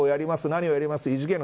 何をやります